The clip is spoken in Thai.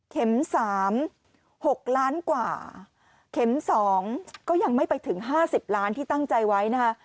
๓๖ล้านกว่าเข็ม๒ก็ยังไม่ไปถึง๕๐ล้านที่ตั้งใจไว้นะคะ